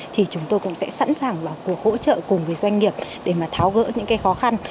thì chúng tôi cũng sẽ sẵn sàng vào cuộc hỗ trợ cùng với doanh nghiệp để mà tháo gỡ những cái khó khăn